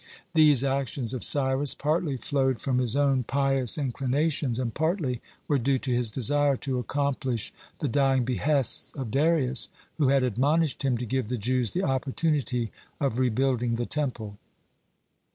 These actions of Cyrus partly flowed from his own pious inclinations, and partly were due to his desire to accomplish the dying behests of Darius, who had admonished him to give the Jews the opportunity of rebuilding the Temple.